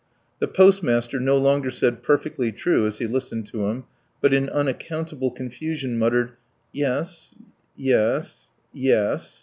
The postmaster no longer said, "Perfectly true," as he listened to him, but in unaccountable confusion muttered, "Yes, yes, yes